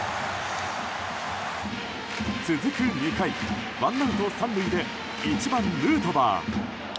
続く２回、ワンアウト３塁で１番、ヌートバー。